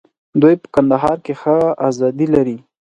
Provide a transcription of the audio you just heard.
دوی په کندهار کې ښه آزادي لري.